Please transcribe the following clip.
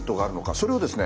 それをですね